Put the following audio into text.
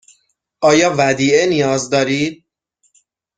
آیا ودیعه نیاز دارید؟